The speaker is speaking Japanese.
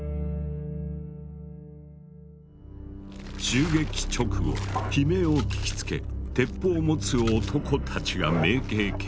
襲撃直後悲鳴を聞きつけ鉄砲を持つ男たちが明景家を囲んだ。